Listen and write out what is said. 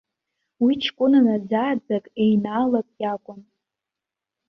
Уи ҷкәына наӡа-ааӡак, еинаалак иакәын.